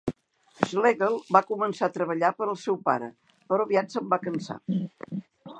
Schlegel va començar a treballar per al seu pare, però aviat se'n va cansar.